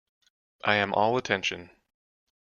I am all attention.